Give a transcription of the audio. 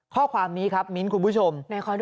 ข้อความนี้ครับมิ้นท์คุณผู้ชม